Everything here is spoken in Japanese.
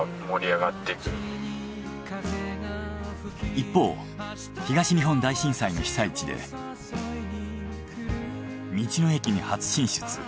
一方東日本大震災の被災地で道の駅に初進出。